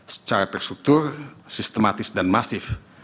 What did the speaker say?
secara terstruktur sistematis dan masif